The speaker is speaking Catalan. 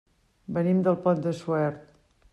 Venim del Pont de Suert.